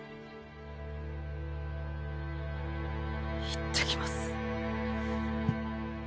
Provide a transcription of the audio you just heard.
いってきます。